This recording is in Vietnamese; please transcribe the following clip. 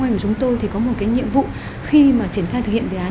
của chúng tôi thì có một cái nhiệm vụ khi mà triển khai thực hiện đề án